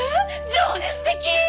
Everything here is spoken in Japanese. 情熱的！